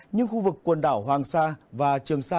nhưng khu vực quần đảo hoàng sa và trường sa